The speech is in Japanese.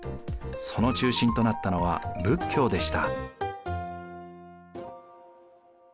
その中心となったのは仏教でした。